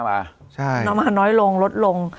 มาน้อยลงลดลง